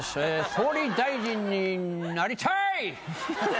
総理大臣になりたい！